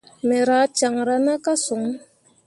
Me rah caŋra na ka son.